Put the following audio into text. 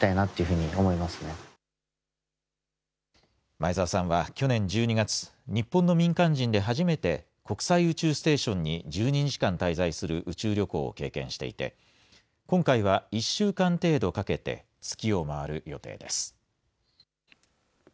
前澤さんは去年１２月、日本の民間人で初めて国際宇宙ステーションに１２日間滞在する宇宙旅行を経験していて、今回は１週間程度かけて月を回る予定です。